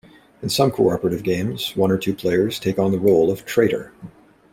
In some cooperative games, one or two players take on the role of traitor.